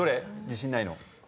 自信ないの。